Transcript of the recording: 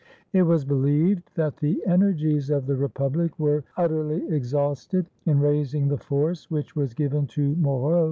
It was believed that the energies of the Republic were utterly exhausted in raising the force which was given to Moreau.